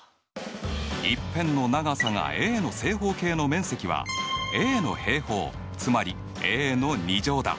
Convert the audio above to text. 一辺の長さがａの正方形の面積はａの平方つまりａの２乗だ。